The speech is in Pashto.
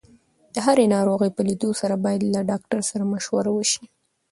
د هرې ناروغۍ په لیدو سره باید له ډاکټر سره مشوره وشي.